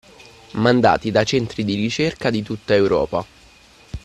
Mandati da centri di ricerca di tutta Europa